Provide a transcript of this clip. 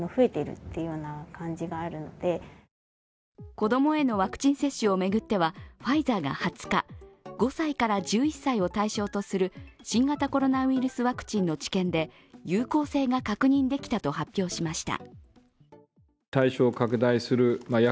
子供へのワクチン接種を巡ってはファイザーが２０日、５歳から１１歳を対象とする新型コロナウイルスワクチンの治験で有効性が確認できたと発表しました。